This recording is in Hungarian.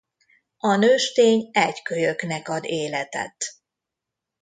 A nőstény egy kölyöknek ad életet.